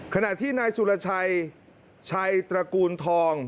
ขนาดที่นายศูิรไชชัยตระกูลทอง